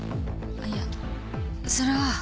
あっいやそれは。